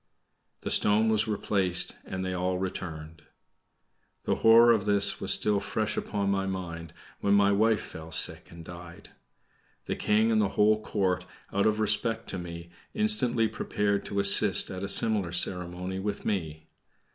The stone was replaced and they all returned. The horror of this was still fresh upon my mind, when my wife fell sick and died. The King and the whole Court, out of respect to me, instantly prepared to assist at a similar ceremony with me.